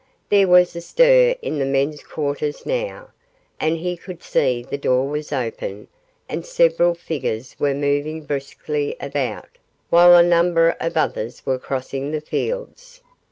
There was a stir in the men's quarters now, and he could see the door was open and several figures were moving briskly about, while a number of others were crossing the fields.